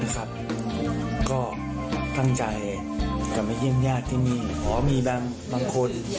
ซะจะตั้งใจจะไม่เยี่ยมยาก